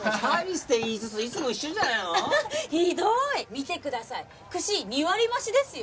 見てください。串２割増しですよ。